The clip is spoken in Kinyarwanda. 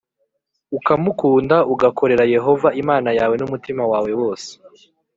ukamukunda, ugakorera Yehova Imana yawe n’umutima wawe wose